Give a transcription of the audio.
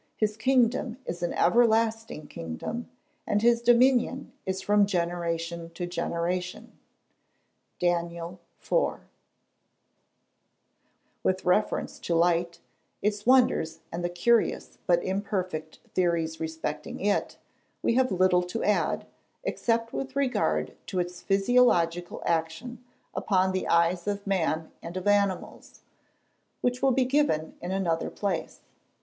his kingdom is an everlasting kingdom, and his dominion is from generation to generation." DANIEL IV.] With reference to Light, its wonders, and the curious but imperfect theories respecting it, we have little to add, except with regard to its physiological action upon the eyes of man and of animals, which will be given in another place.